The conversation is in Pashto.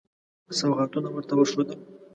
سوغاتونه ورته وښودل.